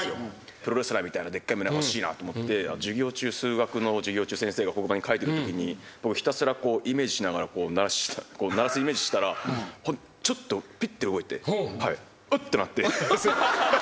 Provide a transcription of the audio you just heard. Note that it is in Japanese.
プロレスラーみたいなでっかい胸欲しいなと思って数学の授業中先生が黒板に書いてるときに僕ひたすらイメージしながらならすイメージしてたらちょっとピッて動いてウッ！ってなって。